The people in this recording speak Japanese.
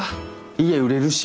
家売れるし。